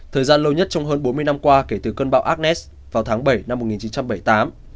thời gian lâu nhất trong hơn bốn mươi năm qua kể từ cơn bão agnes vào tháng bảy năm một nghìn chín trăm bảy mươi tám